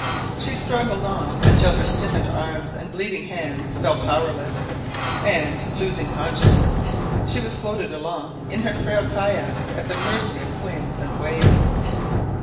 She struggled on until her stiffened arms and bleeding hands fell powerless, and, losing consciousness, she was floated along in her frail kayak at the mercy of winds and waves.